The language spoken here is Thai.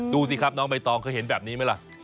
ดูสิครับน้องใบตองเคยเห็นแบบนี้ไหมล่ะ